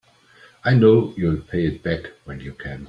I know you'll pay it back when you can.